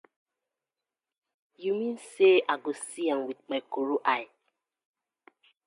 Yu mean say I go see am wit my koro eye?